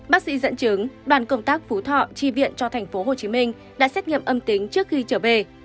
bác sĩ dẫn chứng đoàn công tác phú thọ tri viện cho tp hcm đã xét nghiệm âm tính trước khi trở về